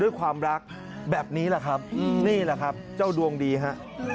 ด้วยความรักแบบนี้แหละครับนี่แหละครับเจ้าดวงดีฮะ